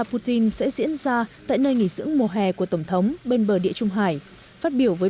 putin sẽ diễn ra tại nơi nghỉ dưỡng mùa hè của tổng thống bên bờ địa trung hải phát biểu với